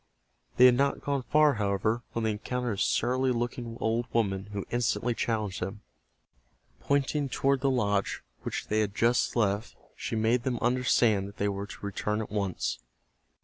They had not gone far, however, when they encountered a surly looking old woman who instantly challenged them. Pointing toward the lodge which they had just left she made them understand that they were to return at once.